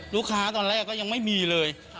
ตอนแรกก็ยังไม่มีเลย